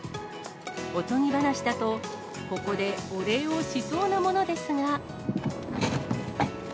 おとぎ話だと、ここでお礼をしそうなものですが。